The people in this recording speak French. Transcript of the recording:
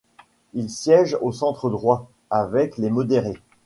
Il siège au centre droit, avec les modérés.